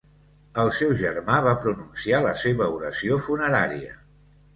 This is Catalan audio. El seu germà va pronunciar la seva oració funerària.